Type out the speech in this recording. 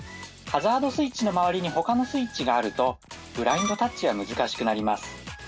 ハザードスイッチの周りに他のスイッチがあるとブラインドタッチは難しくなります。